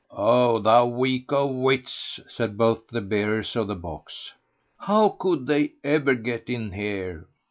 "O thou weak o' wits," said both the bearers of the box, "how could they ever get in here!"